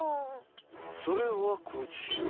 それはこちら！